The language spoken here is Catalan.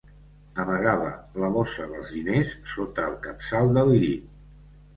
Amagava la bossa dels diners sota el capçal del llit.